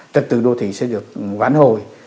tật tự đô thị sẽ được quản hồi